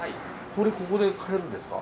これここで買えるんですか？